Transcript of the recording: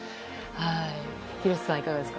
廣瀬さん、いかがですか？